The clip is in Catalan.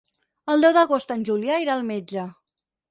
El deu d'agost en Julià irà al metge.